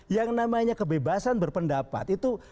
yang namanya kebebasan berpendapat